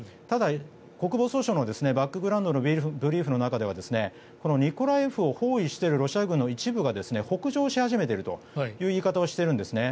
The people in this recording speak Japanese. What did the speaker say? ただ、国防総省のバックグラウンドのブリーフの中ではミコライウを包囲しているロシア軍の一部が北上し始めているという言い方をしているんです。